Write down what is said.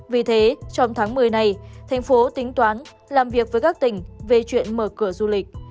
vì thế trong tháng một mươi này thành phố tính toán làm việc với các tỉnh về chuyện mở cửa du lịch